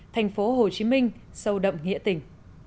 thành phố hồ chí minh sâu đậm nghĩa tình